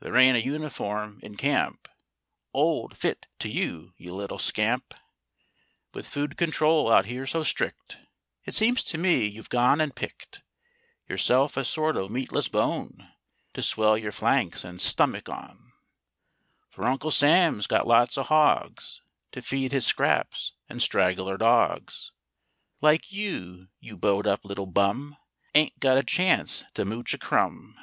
There ain't a uniform in camp 'Ould fit to you, you little scamp f With food control out here so strict It seems to me you've gone and picked Yourself a sort o' meatless bone To swell your flanks and stummick on, For Uncle Sam's got lots o r hogs To feed his scraps, and straggler dogs Like you, you bowed up little hum, Ain't got a chance to mooch a crumb!